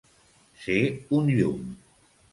Ser un llum.